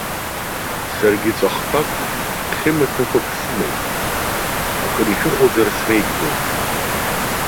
Саргьы ҵәахқәак, хьымаҭәақәак сымоуп, акыр ишәыхәозар, среигӡом.